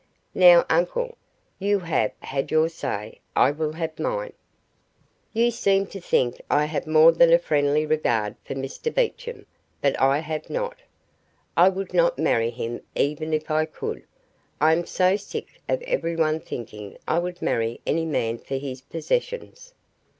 "Now, uncle, you have had your say, I will have mine. You seem to think I have more than a friendly regard for Mr Beecham, but I have not. I would not marry him even if I could. I am so sick of every one thinking I would marry any man for his possessions.